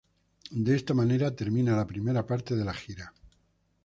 De esta manera termina la primera parte de la gira.